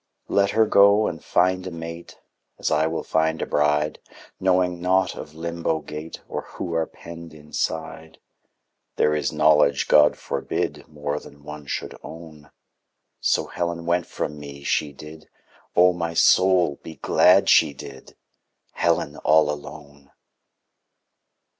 Let her go and find a mate, As I will find a bride, Knowing naught of Limbo Gate Or Who are penned inside. There is knowledge God forbid More than one should own. So Helen went from me, she did, Oh my soul, be glad she did! Helen all alone!